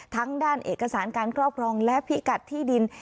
ทั้งด้านเอกสารการครอบครองและพิกัดที่ดิน